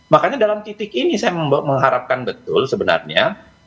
makanya dalam titik ini saya mengharapkan betul sebenarnya